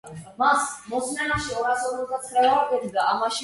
ეს პროცესი კიდევ უფრო დაჩქარდა მეფე ალფრედის მეფობის დროს.